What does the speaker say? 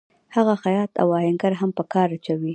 هغه خیاط او آهنګر هم په کار اچوي